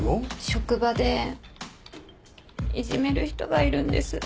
職場でいじめる人がいるんです。